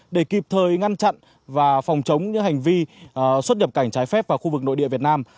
để kịp thời ngăn chặn và phòng chống những hành vi xuất nhập cảnh trái phép vào khu vực nội địa việt nam